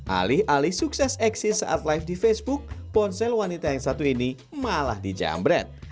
alih alih sukses eksis saat live di facebook ponsel wanita yang satu ini malah dijamret